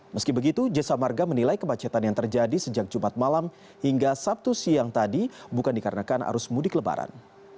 meski begitu jasa marga menilai kemacetan yang terjadi sejak jumat malam hingga sabtu siang tadi bukan dikarenakan arus mudik lebaran